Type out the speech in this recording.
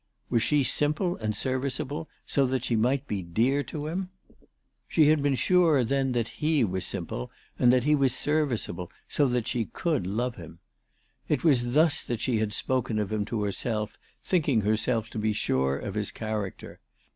Was she simple and serviceable, so that she might be dear to him ? She had been sure 400 ALICE DUGDALE. then that he was simple, and that he was serviceable, so that she could love him. It was thus that she had spoken of him to herself, thinking herself to be sure of his character.